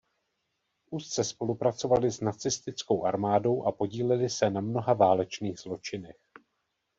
Úzce spolupracovaly s nacistickou armádou a podílely se na mnoha válečných zločinech.